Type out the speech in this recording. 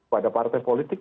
pada partai politik